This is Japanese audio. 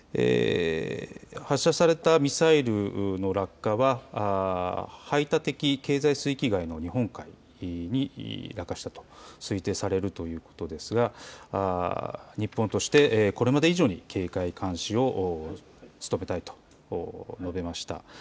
発射されたミサイルの落下は排他的経済水域外の日本海に落下したと推定されるということですが日本として、これまで以上に警戒監視を強めたいと述べました。